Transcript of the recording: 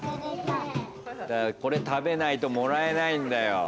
これ食べないともらえないんだよ。